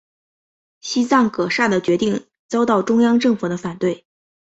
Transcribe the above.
西藏噶厦的决定遭到中央政府的反对。